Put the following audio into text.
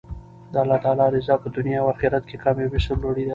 د الله تعالی رضاء په دنیا او اخرت کښي کاميابي او سر لوړي ده.